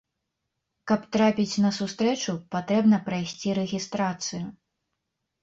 Каб трапіць на сустрэчу, патрэбна прайсці рэгістрацыю.